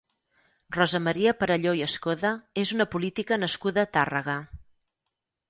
Rosa Maria Perelló i Escoda és una política nascuda a Tàrrega.